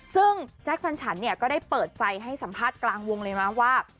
ซึ่งแจ๊คแฟนฉันเนี่ยก็ได้เปิดใจให้สัมภาษณ์กลางวงเลยนะว่า